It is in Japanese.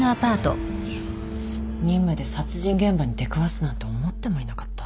任務で殺人現場に出くわすなんて思ってもいなかった。